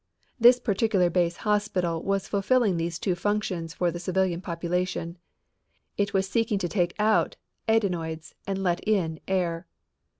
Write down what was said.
This particular base hospital was fulfilling two functions for the civilian population. It was seeking to take out adenoids and let in air.